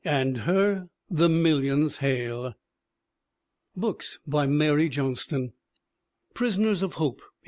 And her the millions hail. BOOKS BY MARY JOHNSTON Prisoners of Hope, 1898.